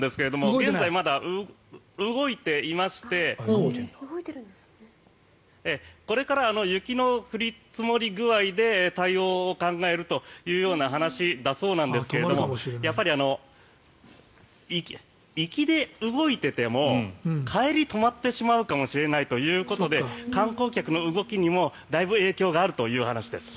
現在はまだ動いていましてこれから雪の降り積もり具合で対応を考えるという話だそうなんですがやっぱり行きで動いていても帰り、止まってしまうかもしれないということで観光客の動きにもだいぶ影響があるという話です。